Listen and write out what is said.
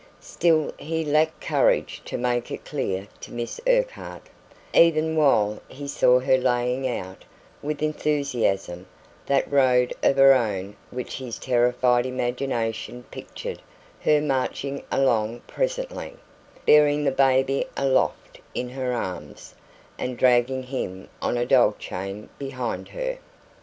Still he lacked courage to make it clear to Miss Urquhart, even while he saw her laying out, with enthusiasm, that road of her own which his terrified imagination pictured her marching along presently, bearing the baby aloft in her arms, and dragging him on a dog chain behind her.